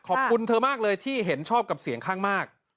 เธอมากเลยที่เห็นชอบกับเสียงข้างมาก